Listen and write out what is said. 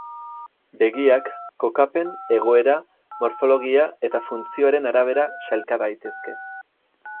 Begiak kokapen, egoera, morfologia eta funtzioaren arabera sailka daitezke.